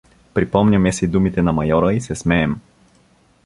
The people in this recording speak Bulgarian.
Припомняме си думите на майора и се смеем.